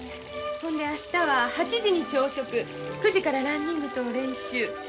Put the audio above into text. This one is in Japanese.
ほんで明日は８時に朝食９時からランニングと練習。